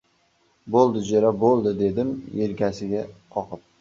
— Bo‘ldi, jo‘ra, bo‘ldi! — dedim yelkasiga qoqib.